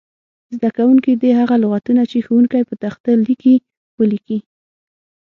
زده کوونکي دې هغه لغتونه چې ښوونکی په تخته لیکي ولیکي.